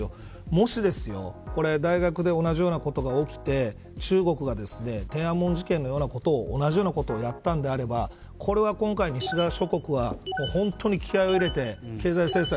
もし、これ大学で同じようなことが起きて中国が天安門事件のようなことを同じようなことをやったんであればこれは今回、西側諸国は本当に気合を入れて経済制裁